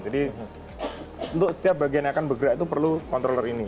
jadi untuk setiap bagian yang akan bergerak itu perlu controller ini